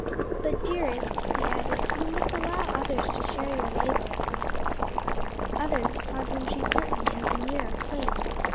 "But, dearest," he added, "you must allow others to share your labor, others upon whom she certainly has a nearer claim.